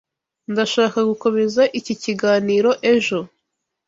Ndashaka gukomeza iki kiganiro ejo.